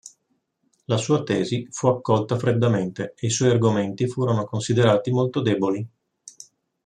La sua tesi fu accolta freddamente e i suoi argomenti furono considerati molto deboli.